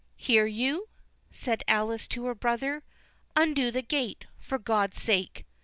"Hear you?" said Alice to her brother; "undo the gate, for God's sake."